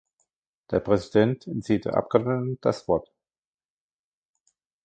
Der Präsident entzieht der Abgeordneten das Wort.